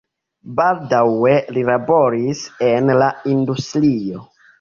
Baldaŭe li laboris en la industrio.